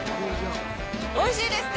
おいしいですか？